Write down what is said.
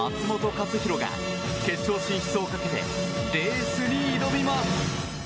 克央が決勝進出をかけてレースに挑みます。